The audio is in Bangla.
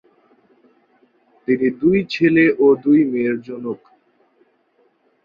তিনি দুই ছেলে ও দুই মেয়ের জনক।